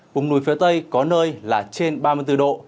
vùng núi phía tây có nơi là trên ba mươi bốn độ